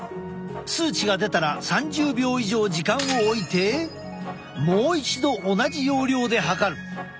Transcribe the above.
数値が出たら３０秒以上時間をおいてもう一度同じ要領で測る。